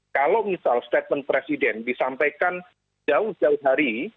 kalau misal statement presiden disampaikan jauh jauh hari